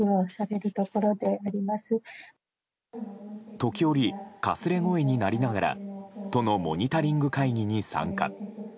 時折、かすれ声になりながら都のモニタリング会議に参加。